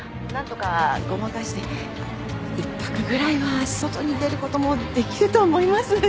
ごまかして１泊ぐらいは外に出ることもできると思います。